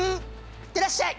行ってらっしゃい！